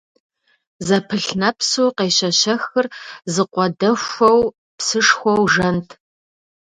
Зэпылъ нэпсу къещэщэхыр зы къуэ дэхуэу псышхуэу жэнт.